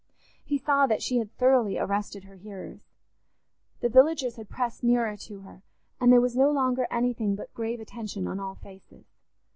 He saw that she had thoroughly arrested her hearers. The villagers had pressed nearer to her, and there was no longer anything but grave attention on all faces.